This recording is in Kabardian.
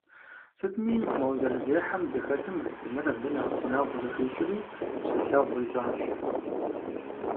Сытми, мо зэрызехьэм здыхэтым, Астемыр абы нэхъ гъунэгъу зыхуищӏри, псэлъэгъу ищӏащ.